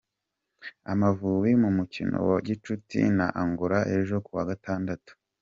Amavubi mu mukino wa gicuti na Angola ejo ku wa gatandatu